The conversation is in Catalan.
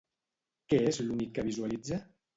Què és l'únic que visualitza?